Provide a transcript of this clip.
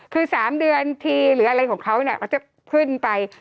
คือ๓เดือนทีหรืออะไรของเขาเนี่ยเขาจะขึ้นไป